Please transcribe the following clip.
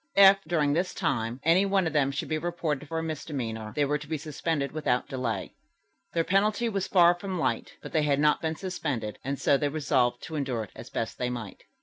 If, during this time, any one of them should be reported for a misdemeanor, they were to be suspended without delay. Their penalty was far from light, but they had not been suspended, and so they resolved to endure it as best they might.